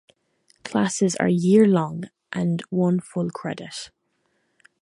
Classes are year-long and one full credit.